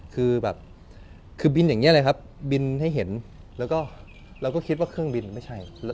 คือแบบคือบินอย่างนี้เลยครับบินให้เห็นแล้วก็เราก็คิดว่าเครื่องบินไม่ใช่